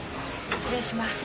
失礼します。